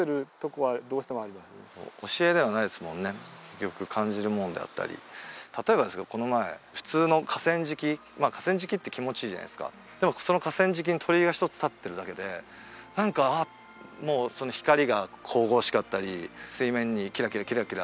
結局感じるものであったり例えばですけどこの前普通の河川敷まあ河川敷って気持ちいいじゃないですかでもその河川敷に鳥居が一つ立ってるだけで何かもうその光が神々しかったり水面にキラキラキラキラ